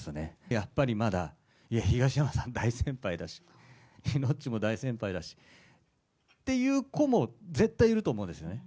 やっぱりまだ東山さん大先輩だし、イノッチも大先輩だしっていう子も絶対いると思うんですね。